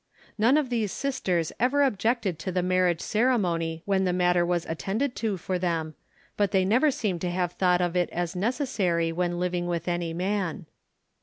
None of these sisters ever ob jected to the marriage ceremony when the matter was attended to for them, but they never seem to have thought of it as necessary when living with any man.